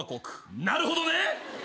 なるほどね！